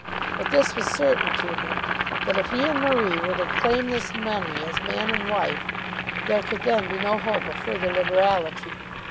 But this was certain to him, that if he and Marie were to claim this money as man and wife, there could then be no hope of further liberality.